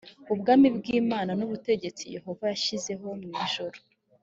ubwami bw imana ni ubutegetsi yehova yashyizeho mu ijuru